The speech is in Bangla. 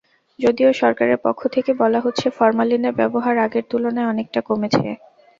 যদিও সরকারের পক্ষ থেকে বলা হচ্ছে, ফরমালিনের ব্যবহার আগের তুলনায় অনেকটা কমেছে।